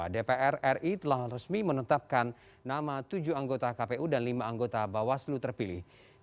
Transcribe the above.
dpr ri telah resmi menetapkan nama tujuh anggota kpu dan lima anggota bawaslu terpilih